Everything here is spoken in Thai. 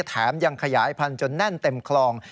แถมยังขยายพันธุจนแน่นเต็มคลอง